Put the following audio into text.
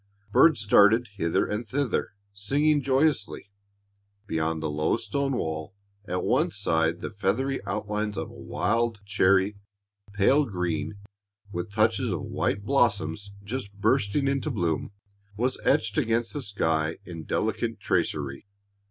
Birds darted hither and thither, singing joyously. Beyond the low stone wall at one side the feathery outlines of a wild cherry, pale green, with touches of white blossoms just bursting into bloom, was etched against the sky in delicate tracery.